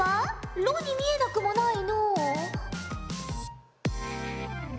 「ろ」に見えなくもないのう。